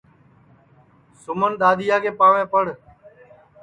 سُمن دؔادیا کے پاںٚوے پڑ